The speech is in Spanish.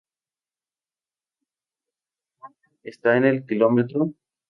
Ambrona está en el km.